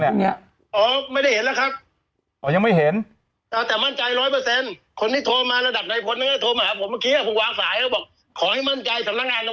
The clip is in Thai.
ผมวางสายบอกขอให้มั่นใจสำนักงานต่างประเทศ